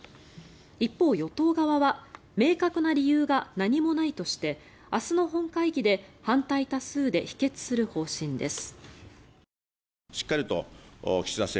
一方、与党側は明確な理由が何もないとして明日の本会議で反対多数で否決する方針です。